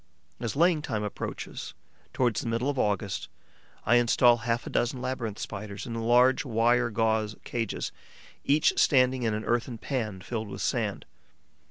As laying time approaches, towards the middle of August, I instal half a dozen Labyrinth Spiders in large wire gauze cages, each standing in an earthen pan filled with sand.